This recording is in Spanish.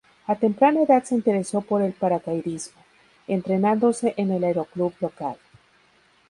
A temprana edad se interesó por el paracaidismo, entrenándose en el Aeroclub local.